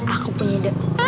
aku punya ide